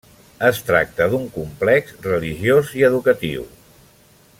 Es tracta d'un complex religiós i educatiu.